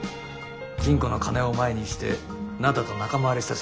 金庫の金を前にして灘と仲間割れした線が濃厚だな。